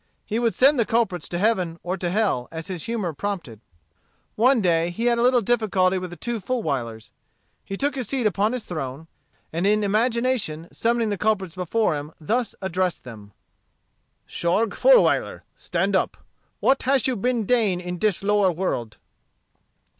He would send the culprits to heaven or to hell, as his humor prompted. One day he had a little difficulty with the two Fulwilers. He took his seat upon his throne, and in imagination summoning the culprits before him, thus addressed them: "Shorge Fulwiler, stand up. What hash you been dain in dis lower world?"